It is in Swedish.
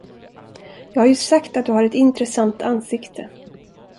Jag har ju sagt att du har ett intressant ansikte.